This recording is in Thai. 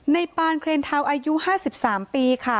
ปานเครนเทาอายุ๕๓ปีค่ะ